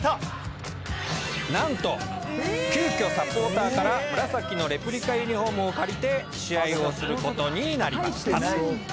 なんと急きょサポーターから紫のレプリカユニホームを借りて試合をする事になりました。